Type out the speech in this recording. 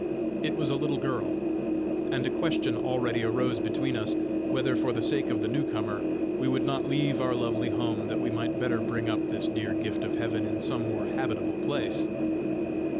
It was a little girl; and a question already arose between us, whether for the sake of the new comer, we would not leave our lovely home that we might better bring up this dear gift of heaven in some more habitable place.